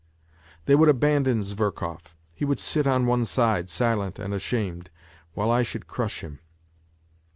They would abandon Zverkov, he would sit on one side, silent and ashamed, while I should crush him.